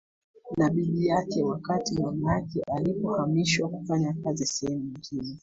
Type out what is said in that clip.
Na bibi yake wakati mama yake alipo hamishwa kufanya kazi sehemu nyingine